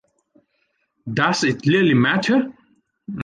Does it really matter?